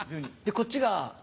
こっちが？